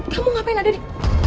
kamu ngapain ada di